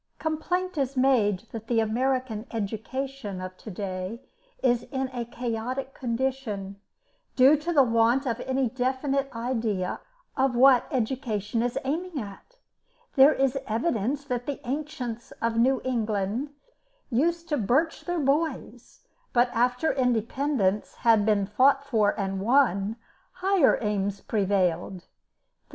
Complaint is made that the American education of to day is in a chaotic condition, due to the want of any definite idea of what education is aiming at. There is evidence that the ancients of New England used to birch their boys, but after independence had been fought for and won, higher aims prevailed.